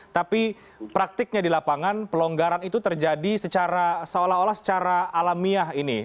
tapi praktiknya di lapangan pelonggaran itu terjadi secara seolah olah secara alamiah ini